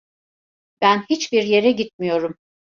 Ben hiçbir yere gitmiyorum.